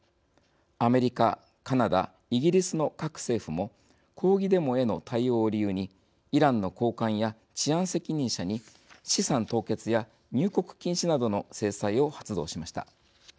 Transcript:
アメリカ、カナダ、イギリスの各政府も抗議デモへの対応を理由にイランの高官や治安責任者に資産凍結や入国禁止などの制裁を発動しました。